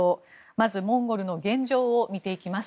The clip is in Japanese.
まず、モンゴルの現状を見ていきます。